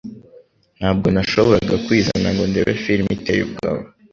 Ntabwo nashoboraga kwizana ngo ndebe firime iteye ubwoba